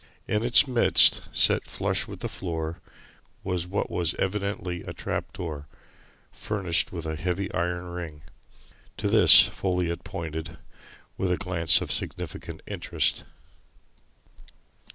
In its midst, set flush with the floor, was what was evidently a trap door, furnished with a heavy iron ring. To this Folliot pointed, with a glance of significant interest.